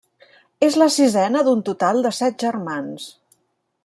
És la sisena d'un total de set germans.